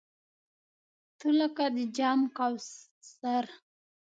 تۀ لکه جام د کوثر !